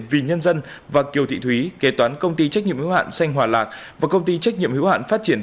vì nhân dân và kiều thị thúy kế toán công ty trách nhiệm hữu hạn xanh hòa lạc và công ty trách nhiệm hữu hạn phát triển